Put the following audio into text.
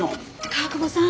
川久保さん